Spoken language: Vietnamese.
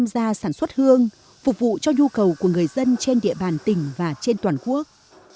gia sản xuất hương phục vụ cho nhu cầu của người dân trên địa bàn tỉnh và trên toàn quốc